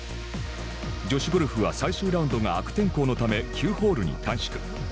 女子ゴルフは最終ラウンドが悪天候のため９ホールに短縮。